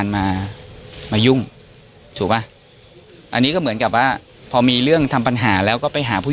มามายุ่งถูกป่ะอันนี้ก็เหมือนกับว่าพอมีเรื่องทำปัญหาแล้วก็ไปหาผู้